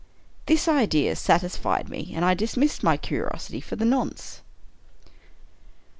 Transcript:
This idea sat isfied me, and I dismissed my curiosity for the nonce.